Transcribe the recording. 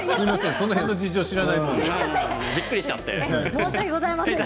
その辺の事情は知らないから。